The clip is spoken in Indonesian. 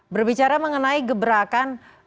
berbicara mengenai gebrakan